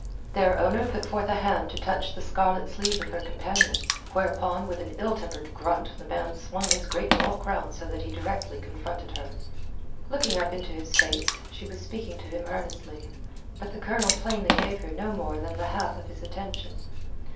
Their owner put forth a hand to touch the scarlet sleeve of her companion, whereupon with an ill tempered grunt the man swung his great bulk round so that he directly confronted her. Looking up into his face, she was speaking to him earnestly, but the Colonel plainly gave her no more than the half of his attention.